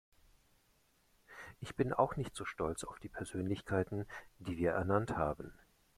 Ich bin auch nicht so stolz auf die Persönlichkeiten, die wir ernannt haben.